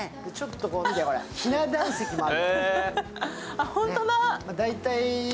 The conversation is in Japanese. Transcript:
ちょっと見て、ひな壇席もある。